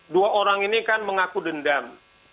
dua orang ini kan mengaku dendam